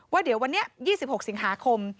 ว่าเดี๋ยววันนี้๒๖สิงหาคม